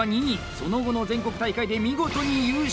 その後の全国大会で見事に優勝！